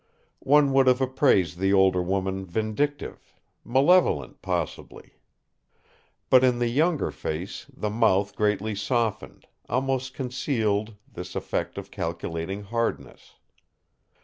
One would have appraised the older woman vindictive malevolent, possibly. But in the younger face the mouth greatly softened, almost concealed, this effect of calculating hardness.